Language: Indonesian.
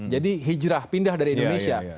jadi hijrah pindah dari indonesia